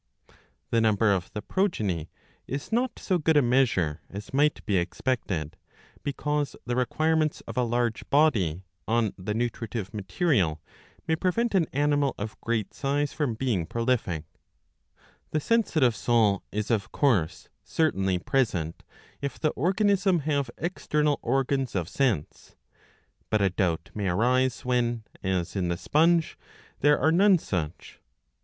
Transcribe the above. "' The number of the progeny is not so good a measure as might be expected, because the requirements of a large body on the nutritive material may prevent an animal of great size from being prolific* The sensitive soul is of course certainly present, if the organism have external organs of sense. But a doubt may arise when, as in the sponge,* there are none such.